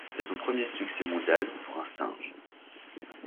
C'est son premier succès mondial pour un single.